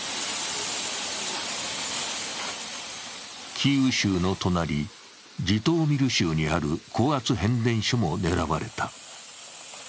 キーウ州の隣、ジトーミル州にある高圧変電所も狙われた。